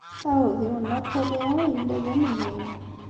Aɛudiw n Napoleon yella d amellal.